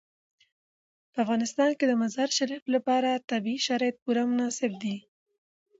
په افغانستان کې د مزارشریف لپاره طبیعي شرایط پوره مناسب دي.